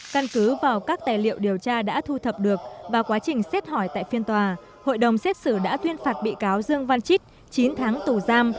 căn cứ vào các tài liệu điều tra đã thu thập được và quá trình xét hỏi tại phiên tòa hội đồng xét xử đã tuyên phạt bị cáo dương văn chít chín tháng tù giam